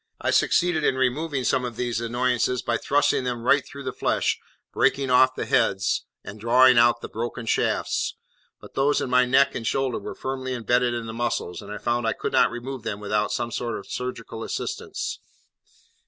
I succeeded in removing some of these annoyances by thrusting them right through the flesh, breaking off the heads, and drawing out the broken shafts; but those in my neck and shoulder were firmly imbedded in the muscles, and I found I could not remove them without some sort of surgical assistance.